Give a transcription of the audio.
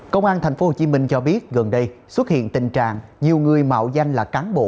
công an tp hcm cho biết gần đây xuất hiện tình trạng nhiều người mạo danh là cán bộ